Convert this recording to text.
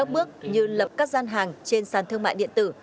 các bước như lập các gian hàng trên sàn thương mại điện tử